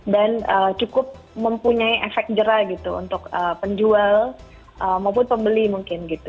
dan cukup mempunyai efek jerah gitu untuk penjual maupun pembeli mungkin gitu